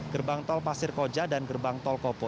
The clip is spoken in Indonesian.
gerbang tol pasir koja dan gerbang tol kopo